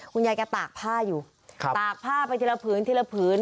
คุณยายแกตากผ้าอยู่ตากผ้าไปทีละผืนทีละผืน